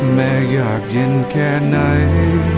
แม่อยากเย็นแค่ไหน